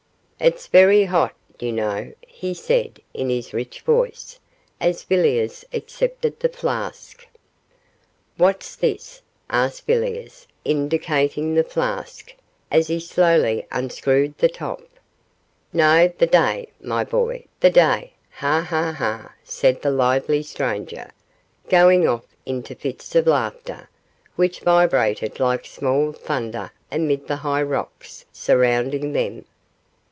'It's very hot, you know,' he said, in his rich voice, as Villiers accepted the flask. 'What, this?' asked Villiers, indicating the flask, as he slowly unscrewed the top. 'No; the day, my boy, the day. Ha! ha! ha!' said the lively stranger, going off into fits of laughter, which vibrated like small thunder amid the high rocks surrounding them.